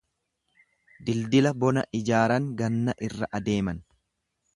Dildila bona ijaaran ganna irra adeeman.